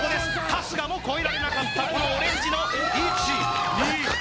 春日もこえられなかったこのオレンジの１２３４